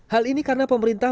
hal ini karena pemerintah